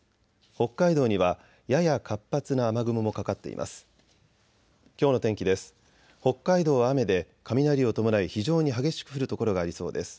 北海道にはやや活発な雨雲もかかっています。